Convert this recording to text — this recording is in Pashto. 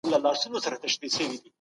سرمایه داري د فردي ملکیت زیږنده ده.